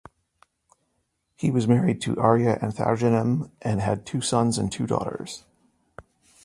He was married to Arya Antharjanam and had two sons and two daughters.